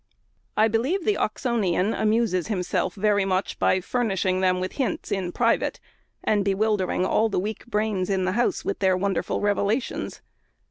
I believe the Oxonian amuses himself very much by furnishing them with hints in private, and bewildering all the weak brains in the house with their wonderful revelations.